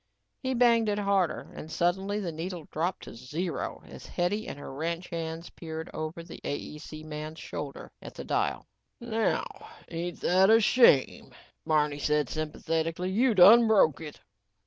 He banged it harder and suddenly the needle dropped to zero as Hetty and her ranch hands peered over the AEC man's shoulder at the dial. "Now ain't that a shame," Barney said sympathetically. "You done broke it."